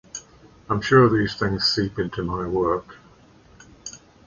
I’m sure those things seep into my work.